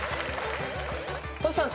トシさん